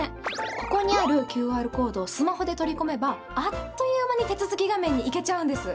ここにあるＱＲコードをスマホで取り込めばあっという間に手続き画面に行けちゃうんです。